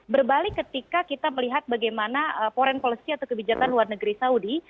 berbalik ketika kita melihat bagaimana foreign policy atau kebijakan luar negeri saudi